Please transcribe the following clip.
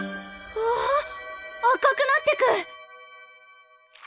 うわ赤くなってく！